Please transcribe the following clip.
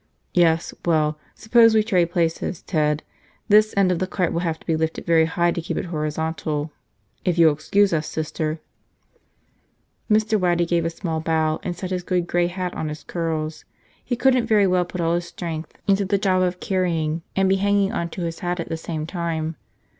"Yes. Well. Suppose we trade places, Ted. This end of the cart will have to be lifted very high to keep it horizontal. If you'll excuse us, Sister." Mr. Waddy gave a small bow and set his good gray hat on his curls. He couldn't very well put all his strength into the job of carrying and be hanging on to his hat at the same time.